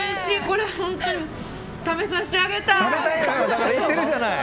これ本当に食べさせてあげたい。